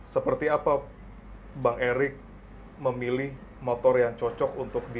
seperti apa bang erik memilih motor yang cocok untuk di